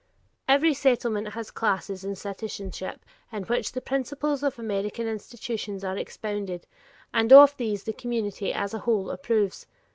Every Settlement has classes in citizenship in which the principles of American institutions are expounded, and of these the community, as a whole, approves.